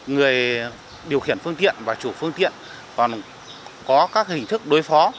người điều khiển phương tiện và chủ phương tiện còn có các hình thức đối phó